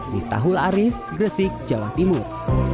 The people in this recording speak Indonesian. ditahul arif gresik jawa timur